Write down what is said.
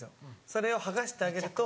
それを剥がしてあげると。